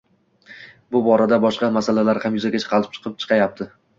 Bu orada boshqa masalalar ham yuzaga qalqib chiqayapti.